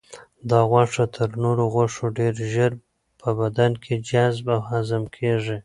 دا غوښه تر نورو غوښو ډېر ژر په بدن کې جذب او هضم کیږي.